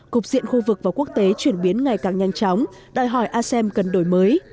cục diện khu vực và quốc tế chuyển biến ngày càng nhanh chóng đòi hỏi asem cần đổi mới